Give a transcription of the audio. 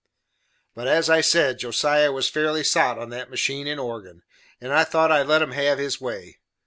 But as I said, Josiah was fairly sot on that machine and organ, and I thought I'd let him have his way.